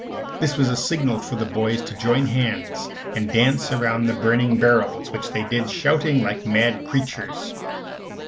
This was a signal for the boys to join hands and dance around the burning barrels, which they did shouting like mad creatures.